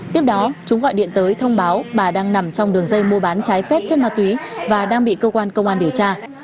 tiếp đó chúng gọi điện tới thông báo bà đang nằm trong đường dây mua bán trái phép chất ma túy và đang bị cơ quan công an điều tra